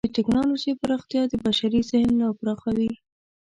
د ټکنالوجۍ پراختیا د بشري ذهن لا پراخوي.